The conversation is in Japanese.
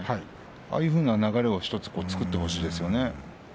ああいうふうな流れを１つ作ってほしいですよね。